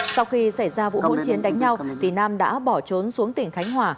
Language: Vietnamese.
sau khi xảy ra vụ hỗn chiến đánh nhau thì nam đã bỏ trốn xuống tỉnh khánh hòa